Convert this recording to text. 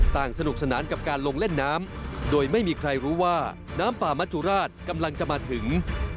สนุกสนานกับการลงเล่นน้ำโดยไม่มีใครรู้ว่าน้ำป่ามัจจุราชกำลังจะมาถึง